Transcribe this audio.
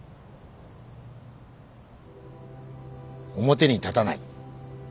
表に立たない